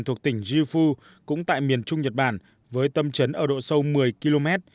thuộc tỉnh jifu cũng tại miền trung nhật bản với tâm trấn ở độ sâu một mươi km